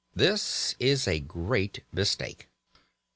This is a great mistake.